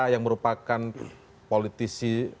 yang merupakan politisi